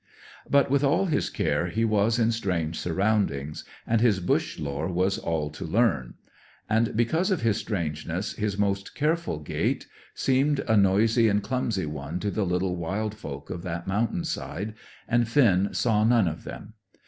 But, with all his care, he was in strange surroundings, and his bush lore was all to learn; and because of his strangeness his most careful gait seemed a noisy and clumsy one to the little wild folk of that mountain side, and Finn saw none of them.